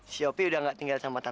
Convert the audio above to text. cepet gak bakal lama ya